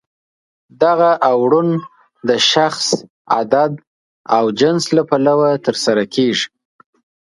دغه اوړون د شخص، عدد او جنس له پلوه ترسره کیږي.